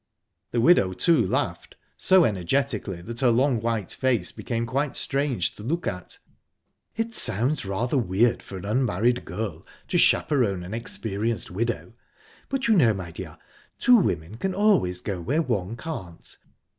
"_ The widow, too laughed so energetically that her long, white face became quite strange to look at. "It sounds rather weird for an unmarried girl to chaperon an experienced widow, but you know, my dear, two women can always go where one can't.